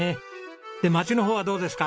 で町の方はどうですか？